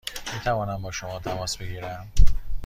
می توانم با شما تماس بگیرم؟